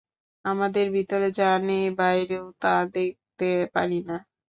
আমাদের ভিতরে যা নেই, বাইরেও তা দেখতে পারি না।